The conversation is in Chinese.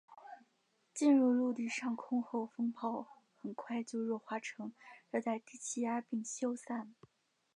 进入陆地上空后风暴很快就弱化成热带低气压并消散。